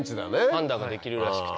判断ができるらしくて。